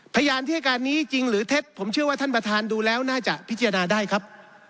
พยานที่ให้การนี้จริงหรือเท็จผมเชื่อว่าท่านประธานดูแล้วน่าจะพิจารณาได้ครับ